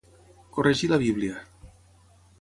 Corregir la Bíblia.